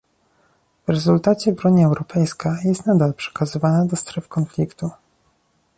W rezultacie broń europejska jest nadal przekazywana do stref konfliktu